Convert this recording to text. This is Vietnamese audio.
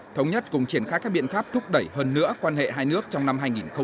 thống nhất cùng triển khai các biện pháp thúc đẩy hơn nữa quan hệ hai nước trong năm hai nghìn hai mươi